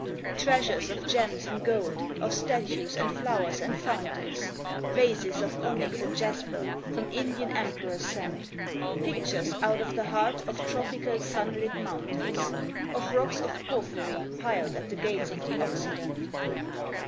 Treasures of gems and gold, of statues and flowers and fountains, Vases of onyx and jasper from Indian emperors sent; Pictures out of the heart of tropical sunlit mountains, Of rocks of porphyry piled at the gates of the Occident.